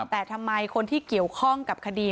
แต่ทำไมคนที่เกี่ยวข้องกับคดี